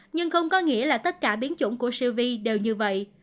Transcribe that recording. nhưng không có nghĩa là tất cả biến chủng của siêu vi đều như vậy